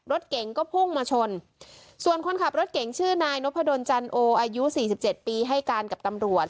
รถเก๋งก็พุ่งมาชนส่วนคนขับรถเก่งชื่อนายนพดลจันโออายุสี่สิบเจ็ดปีให้การกับตำรวจ